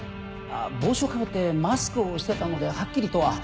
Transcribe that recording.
帽子をかぶってマスクをしてたのではっきりとは。